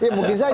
ya mungkin saja